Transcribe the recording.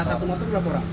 satu motor berapa orang